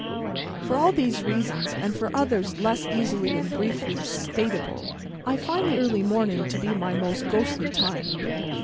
For all these reasons, and for others less easily and briefly statable, I find the early morning to be my most ghostly time.